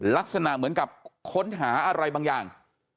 ลักษณะเหมือนกับค้นหาอะไรบางอย่าง